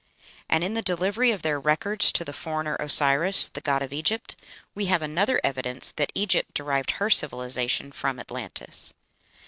And in the delivery of their records to the foreigner Osiris, the god of Egypt, we have another evidence that Egypt derived her civilization from Atlantis.